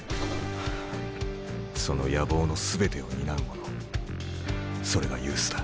その野望の全てを担う者それがユースだ。